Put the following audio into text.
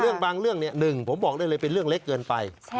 บางเรื่องเนี่ยหนึ่งผมบอกได้เลยเป็นเรื่องเล็กเกินไป